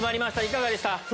いかがでした？